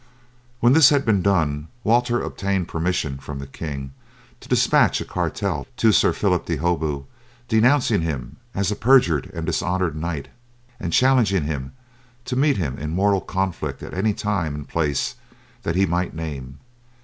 When this had been done Walter obtained permission from the king to despatch a cartel to Sir Phillip de Holbeaut denouncing him as a perjured and dishonoured knight and challenging him to meet him in mortal conflict at any time and place that he might name.